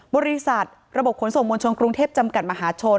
บริษัทระบบขนส่งมวลชนกรุงเทพจำกัดมหาชน